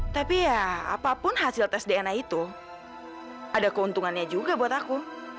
tapi ya apapun hasil tes dna itu ada keuntungannya juga buat aku